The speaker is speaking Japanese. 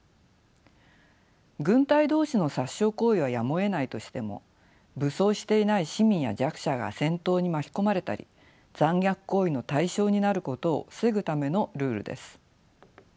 軍隊同士の殺傷行為はやむをえないとしても武装していない市民や弱者が戦闘に巻き込まれたり残虐行為の対象になることを防ぐためのルールです。